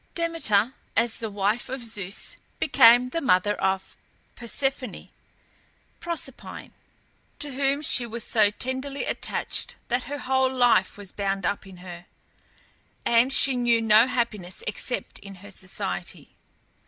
Demeter, as the wife of Zeus, became the mother of Persephone (Proserpine), to whom she was so tenderly attached that her whole life was bound up in her, and she knew no happiness except in her society.